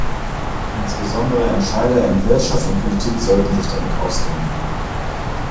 Insbesondere Entscheider in Wirtschaft und Politik sollten sich damit auskennen.